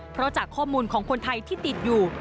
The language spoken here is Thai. เพราะจากข้อมูลของคนไทยที่ติดอยู่